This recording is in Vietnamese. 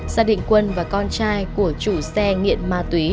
gia đình quân và con trai của chủ xe nghiện ma túy